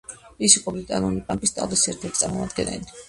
ის იყო ბრიტანული პანკის ტალღის ერთ-ერთი წარმომადგენელი.